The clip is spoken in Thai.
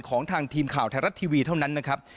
ของทางทีมข่าวไทยรัฐทีวีเท่านั้นนะครับ